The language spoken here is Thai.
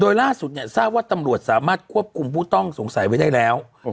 โดยล่าสุดเนี่ยทราบว่าตำรวจสามารถควบคุมผู้ต้องสงสัยไว้ได้แล้ว